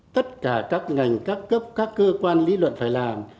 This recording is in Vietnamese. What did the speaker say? tất cả các ngành các cấp các cơ quan lý luận phải làm